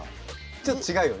ちょっと違うよね。